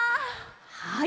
はい。